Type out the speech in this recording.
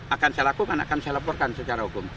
akan saya lakukan akan saya laporkan secara hukum